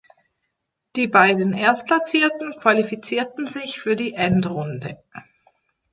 Die beiden Erstplatzierten qualifizierten sich für die Endrunde.